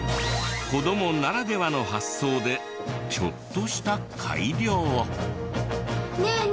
子どもならではの発想でちょっとした改良を。